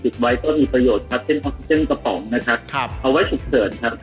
เอาไว้ฉุกเฝิญ